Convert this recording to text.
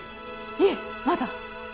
いえまだ。